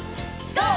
ＧＯ！